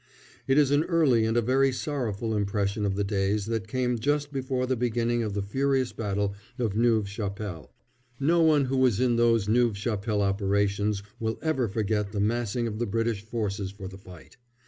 It is an early and a very sorrowful impression of the days that came just before the beginning of the furious battle of Neuve Chapelle. No one who was in those Neuve Chapelle operations will ever forget the massing of the British forces for the fight.